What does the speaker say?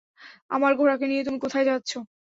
আমার ঘোড়াকে নিয়ে তুমি কোথায় যাচ্ছো?